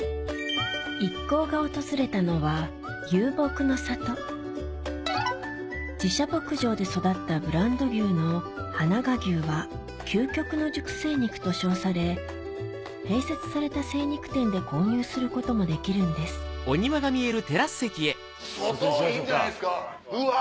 一行が訪れたのは自社牧場で育ったブランド牛のはなが牛は究極の熟成肉と称され併設された精肉店で購入することもできるんです外いいんじゃないですかうわ！